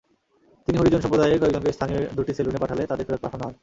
তিনি হরিজন সম্প্রদায়ের কয়েকজনকে স্থানীয় দুটি সেলুনে পাঠালে তাঁদের ফেরত পাঠানো হয়।